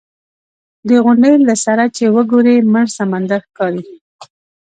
د غونډۍ له سره چې وګورې مړ سمندر ښکاري.